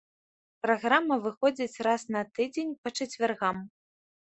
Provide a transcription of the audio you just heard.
Праграма выходзіць раз на тыдзень па чацвяргам.